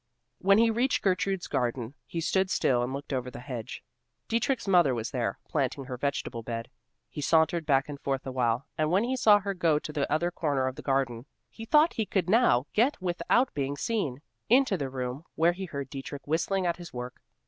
When he reached Gertrude's garden, he stood still and looked over the hedge. Dietrich's mother was there, planting her vegetable bed. He sauntered back and forth for awhile, and when he saw her go to the other corner of the garden, he thought he could now get without being seen, into the room where he heard Dietrich whistling at his work.